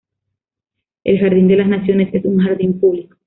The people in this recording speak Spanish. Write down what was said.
El jardín de las Naciones es un jardín público.